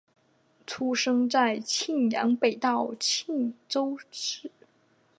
出生在庆尚北道庆州市。